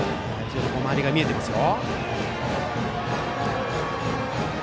周りが見えていますよ。